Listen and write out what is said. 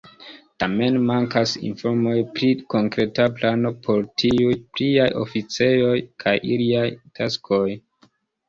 Tamen mankas informoj pri konkreta plano por tiuj "pliaj oficejoj" kaj iliaj taskoj.